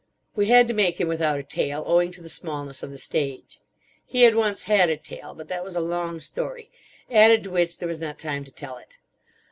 We had to make him without a tail owing to the smallness of the stage. He had once had a tail. But that was a long story: added to which there was not time to tell it.